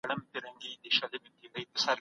وروستیو شاعرانو